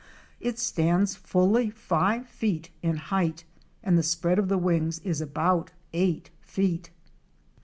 It stands fully five feet in height and the spread of the wings is about eight feet.